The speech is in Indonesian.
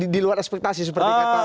di luar ekspektasi seperti kata